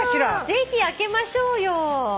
ぜひ開けましょうよ。